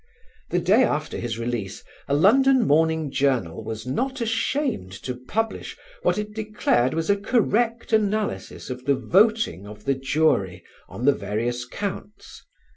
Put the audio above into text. The day after his release a London morning journal was not ashamed to publish what it declared was a correct analysis of the voting of the jury on the various counts.